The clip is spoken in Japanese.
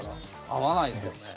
会わないっすよね。